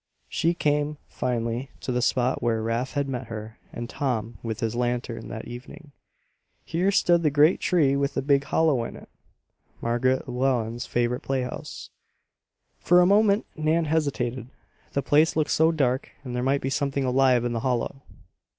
She came, finally, to the spot where Rafe had met her and Tom with his lantern that evening. Here stood the great tree with a big hollow in it, Margaret Llewellen's favorite playhouse. For a moment Nan hesitated. The place looked so dark and there might be something alive in the hollow.